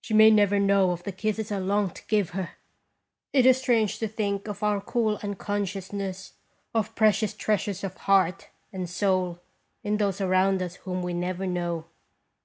She may never know of the kisses I long to give her. It is strange to think of our 298 "&r* ttje JDeair cool unconsciousness of precious treasures of heart and soul in those around us whom we never know.